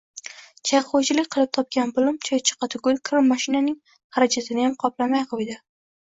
Chayqovchilik qilib topgan pulim choychaqa tugul, kira moshinaning xarajatiniyam qoplamay qo‘ydi